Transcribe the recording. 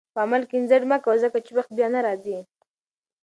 په عمل کې ځنډ مه کوه، ځکه چې وخت بیا نه راځي.